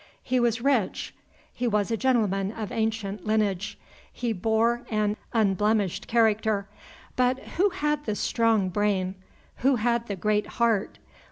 He was rich; he was a gentleman of ancient lineage; he bore an unblemished character. But who had the strong brain? who had the great heart?